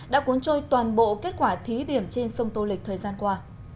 đã cuốn trôi toàn bộ kết quả thí điểm trên sông tô lịch thời gian qua